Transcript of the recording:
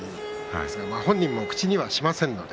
本人も口にはしませんので。